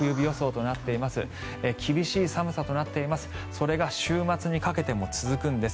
それが週末にかけても続くんです